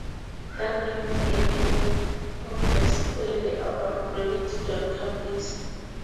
That gave us the idea of just calling the album "Rabbit Don't Come Easy".